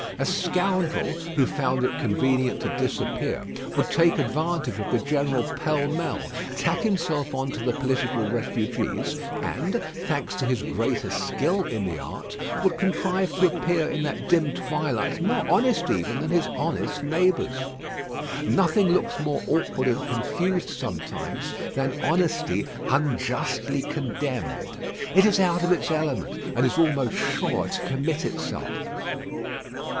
A scoundrel, who found it convenient to disappear, would take advantage of the general pell mell, tack himself on to the political refugees, and, thanks to his greater skill in the art, would contrive to appear in that dim twilight more honest even than his honest neighbours. Nothing looks more awkward and confused sometimes than honesty unjustly condemned. It is out of its element, and is almost sure to commit itself.